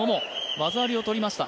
技ありをとりました。